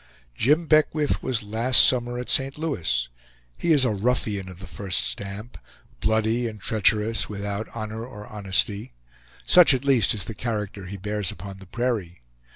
Jim Beckwith was last summer at St. Louis. He is a ruffian of the first stamp; bloody and treacherous, without honor or honesty; such at least is the character he bears upon the prairie.